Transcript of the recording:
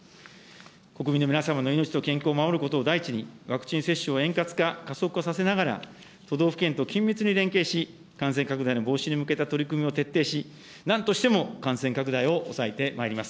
国民の皆様の命と健康を守ることを第一に、ワクチン接種を円滑化、加速化させながら、都道府県と緊密に連携し、感染拡大の防止に向けた取り組みを徹底し、なんとしても感染拡大を抑えてまいります。